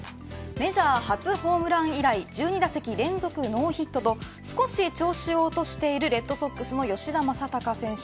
メジャー初ホームラン以来１２打席連続ノーヒットと少し調子を落としているレッドソックスの吉田正尚選手。